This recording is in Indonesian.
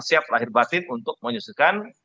siap lahir batin untuk menyusukan